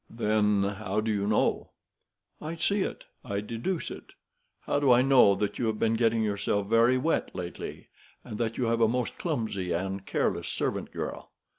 "Then how do you know?" "I see it, I deduce it. How do I know that you have been getting yourself very wet lately, and that you have a most clumsy and careless servant girl?"